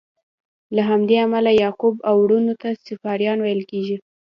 له همدې امله یعقوب او وروڼو ته صفاریان ویل کیږي.